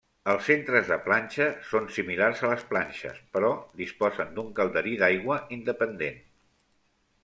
Els centres de planxa són similars a les planxes, però disposen d'un calderí d'aigua independent.